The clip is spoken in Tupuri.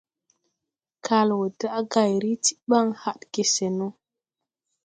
Kal wɔ daʼ gay ri ti ɓaŋ hadge se no.